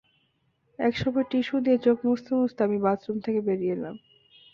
একসময় টিসু দিয়ে চোখ মুছতে মুছতে আমি বাথরুম থেকে বেরিয়ে এলাম।